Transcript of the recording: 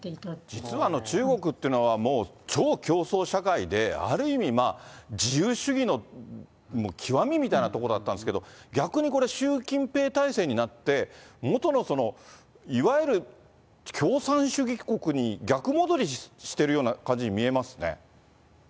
実は中国っていうのは、超競争社会で、ある意味、自由主義の極みみたいな所だったんですけれども、逆にこれ、習近平体制になって、元のいわゆる共産主義国に逆戻りしているような感じに見えますね。